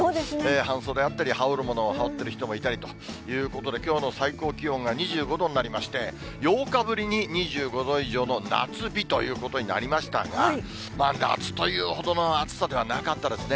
半袖あったり、羽織るものを羽織ってる人もいたりと、きょうの最高気温が２５度になりまして、８日ぶりに２５度以上の夏日ということになりましたが、夏というほどの暑さではなかったですね。